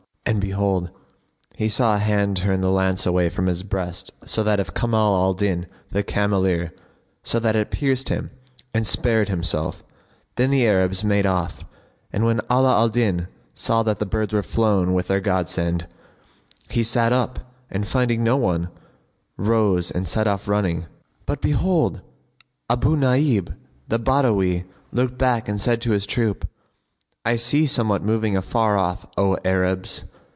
and behold, he saw a hand turn the lance away from his breast to that of Kamal al Din the cameleer, so that it pierced him and spared himself.[FN#49] Then the Arabs made off; and, when Ala al Din saw that the birds were flown with their god send, he sat up and finding no one, rose and set off running; but, behold! Abu Nбib the Badawi looked back and said to his troop, "I see somewhat moving afar off, O Arabs!"